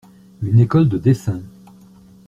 Une école de dessin.